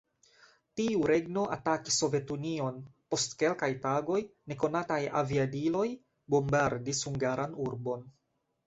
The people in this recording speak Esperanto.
Tiu regno atakis Sovetunion, post kelkaj tagoj nekonataj aviadiloj bombardis hungaran urbon.